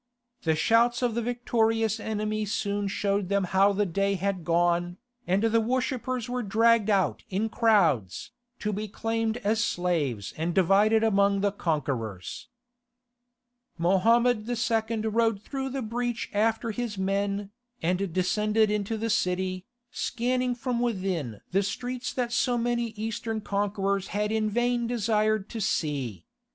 The shouts of the victorious enemy soon showed them how the day had gone, and the worshippers were dragged out in crowds, to be claimed as slaves and divided among the conquerors. Mohammed II. rode through the breach after his men, and descended into the city, scanning from within the streets that so many Eastern conquerors had in vain desired to see.